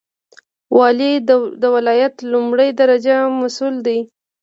والی د ولایت لومړی درجه مسوول دی